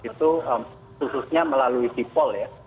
itu khususnya melalui sipol ya